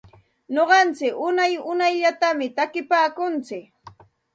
Nuqantsik unay unayllatam takinpaakuntsik.